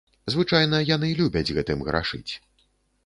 Звычайна яны любяць гэтым грашыць.